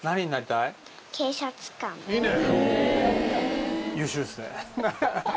いいね！